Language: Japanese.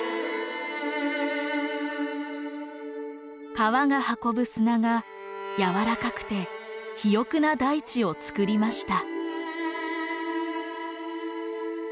河が運ぶ砂がやわらかくて肥沃な大地をつくりました。